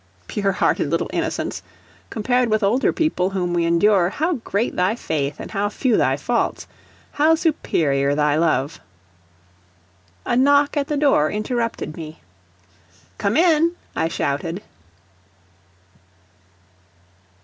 Pure hearted little innocents! compared with older people whom we endure, how great thy faith and how few thy faults! How superior thy love A knock at the door interrupted me. "Come in!" I shouted.